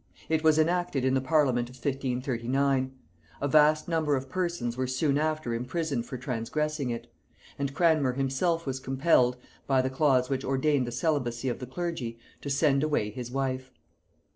It was enacted in the parliament of 1539: a vast number of persons were soon after imprisoned for transgressing it; and Cranmer himself was compelled, by the clause which ordained the celibacy of the clergy, to send away his wife.